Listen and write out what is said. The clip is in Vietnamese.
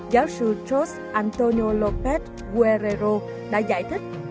giáo sư george antonio lopez guerrero đã giải thích